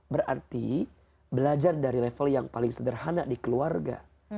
berarti belajar dari level yang paling sederhana di keluarga